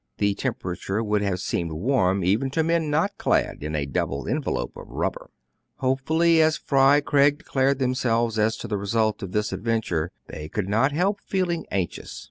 The temperature would have seemed warm even to men not clad in a double envelope of rubber. Hopeful as Fry Craig declared themselves as to the result of this adventure, they could not help feeling anxious.